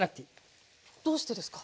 どうしてですか？